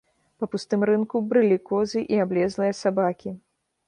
Па пустым рынку брылі козы і аблезлыя сабакі.